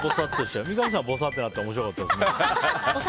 三上さん、ぼさっとなったら面白かったですね。